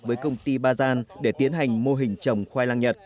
với công ty ba gian để tiến hành mô hình trồng khoai lang nhật